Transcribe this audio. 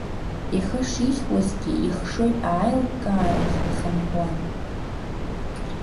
Ихы шихьуазгьы, ихшыҩ аилккарахь ихынҳәуан.